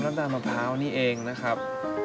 น้ำตาลผัวนี่เองนะครับ